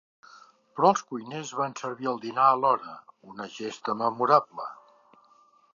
Però els cuiners van servir el dinar a l'hora: una gesta memorable.